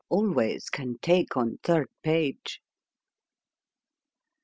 Always can take on third page.